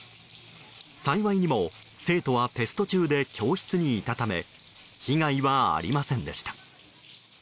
幸いにも、生徒はテスト中で教室にいたため被害はありませんでした。